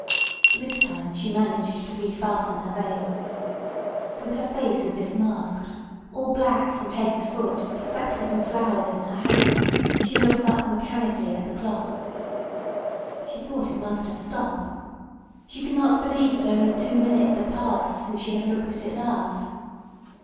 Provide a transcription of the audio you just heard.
This time she managed to refasten her veil. With her face as if masked, all black from head to foot except for some flowers in her hat, she looked up mechanically at the clock. She thought it must have stopped. She could not believe that only two minutes had passed since she had looked at it last.